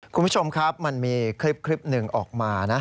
คุณผู้ชมครับมันมีคลิปหนึ่งออกมานะ